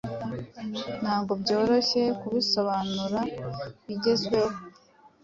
ntago byoroshye kubisobanuro bigezweho